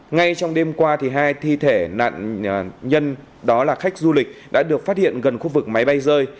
ngay trong đêm qua hai thi thể nạn nhân đó là khách du lịch đã được phát hiện gần khu vực máy bay rơi